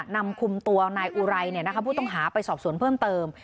นำคุมตัวนายอุไรผู้ต้องหาไปสอบสวนเพิ่มเติม